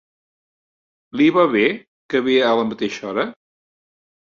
Li va bé, que ve a la mateixa hora?